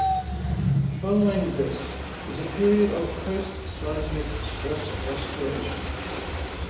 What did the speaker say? Following this is a period of postseismic stress restoration.